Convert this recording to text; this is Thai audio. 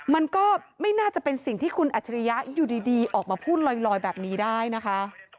มันก็ไม่น่าจะเป็นสิ่งที่คุณอัจฉริยะอยู่ดีออกมาพูดลอยแบบนี้ได้นะคะ